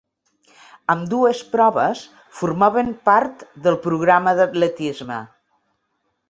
Ambdues proves formaven part del programa d'atletisme.